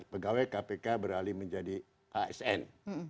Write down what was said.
pegawai kpk beralih menjadi asn